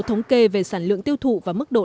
thống kê về sản lượng tiêu thụ và mức độ